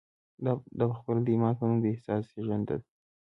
دا پخپله د ايمان په نوم د احساس زېږنده ده.